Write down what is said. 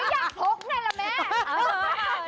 อ่า